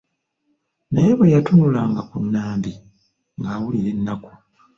Naye bwe yatunulanga ku Nambi ng'awulira ennaku.